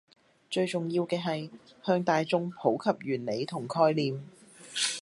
最重要嘅係向大衆普及原理同概念